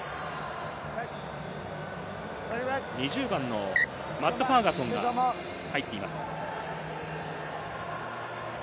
２０番のマット・ファーガソンが入っています。